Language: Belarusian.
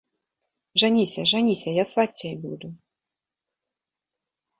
Жаніся, жаніся, я сваццяй буду.